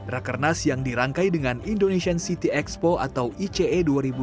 rakernas yang dirangkai dengan indonesian city expo atau ice dua ribu dua puluh